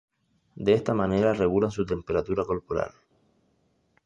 De esta manera regulan su temperatura corporal.